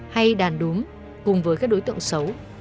hay đàn đúm cùng với các đối tượng xấu